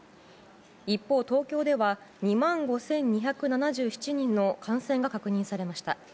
一方、東京では２万５２７７人の感染が確認されました。